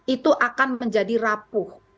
itu akan menjadi rapuh